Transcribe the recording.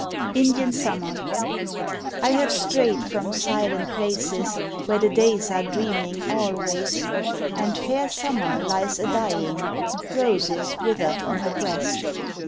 Indian Summer I HAVE strayed from silent places, Where the days are dreaming always; And fair summer lies a dying, Roses withered on her breast.